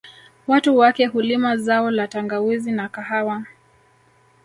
Watu wake hulima zao la tangawizi na kahawa